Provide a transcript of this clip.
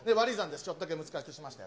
ちょっとだけ難しくしましたよ。